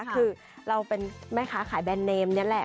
คือเราเป็นแม่ค้าขายแบรนดเนมนี่แหละ